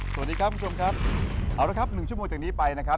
สวัสดีครับคุณผู้ชมครับเอาละครับ๑ชั่วโมงจากนี้ไปนะครับ